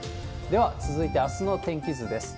では続いて、あすの天気図です。